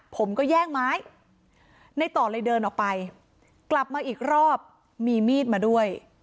ผมก็แย่งไม้ในต่อเลยเดินออกไปกลับมาอีกรอบมีมีดมาด้วย